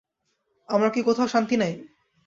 আমার কি কোথাও শান্তি নাই?